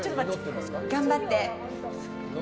頑張って！